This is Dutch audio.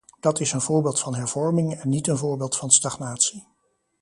Dat is een voorbeeld van hervorming en niet een voorbeeld van stagnatie.